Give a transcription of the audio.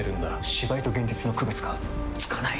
芝居と現実の区別がつかない！